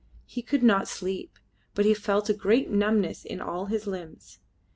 He could not sleep, but he felt a great numbness in all his limbs.